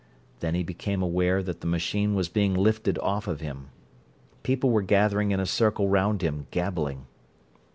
Then he became aware that the machine was being lifted off of him. People were gathering in a circle round him, gabbling.